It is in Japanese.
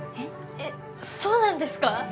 えっそうなんですか？